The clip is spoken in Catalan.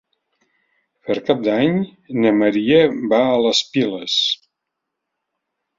Per Cap d'Any na Maria va a les Piles.